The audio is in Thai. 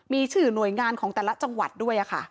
มีชื่อหน่วยงานของแต่ละจังหวัดด้วยค่ะ